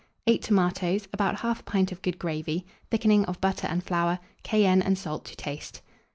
8 tomatoes, about 1/2 pint of good gravy, thickening of butter and flour, cayenne and salt to taste.